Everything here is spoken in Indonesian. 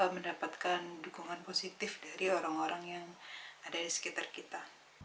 mendapatkan dukungan positif dari orang orang yang ada di sekitar kita